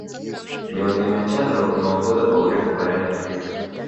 mlima kilimanjaro unaongoza kwa urefu barani afrika